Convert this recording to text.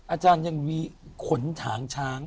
อาจารย์ยังมีขนถางช้าง